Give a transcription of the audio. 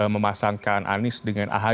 memasangkan anis dengan ahy